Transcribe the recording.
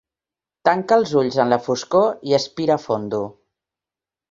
Tanca els ulls en la foscor i aspira fondo.